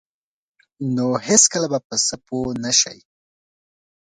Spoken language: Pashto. نو هیڅکله به په څه پوه نشئ.